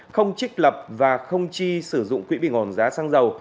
không trích lập và không chi sử dụng quỹ bình ổn giá xăng dầu